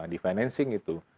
di financing itu